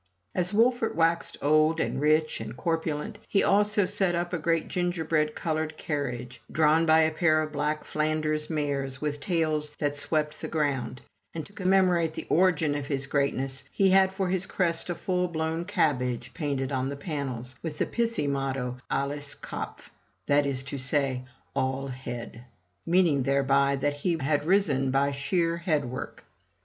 As Wolfert waxed old, and rich, and corpulent, he also set up a great gingerbread colored carriage, drawn by a pair of black Flanders mares with tails that swept the ground; and to commem orate the origin of his greatness, he had for his crest a full blown cabbage painted on the panels, with the pithy motto ALLES KOPF, that is to say, ALL HEAD; meaning thereby that he had risen by sheer headwork.